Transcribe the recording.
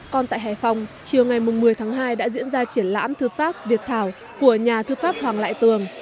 còn tại hải phòng chiều ngày một mươi tháng hai đã diễn ra triển lãm thư pháp việt thảo của nhà thư pháp hoàng lại tường